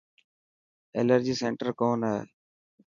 ايلرجي سينٽر ڪون هي.